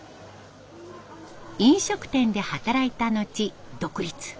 飲食店で働いた後独立。